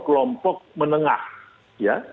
kelompok menengah ya